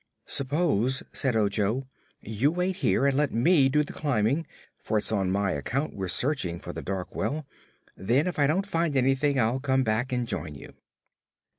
"Suppose," said Ojo, "you wait here and let me do the climbing, for it's on my account we're searching for the dark well. Then, if I don't find anything, I'll come back and join you."